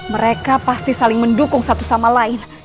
mereka pasti saling mendukung satu sama lain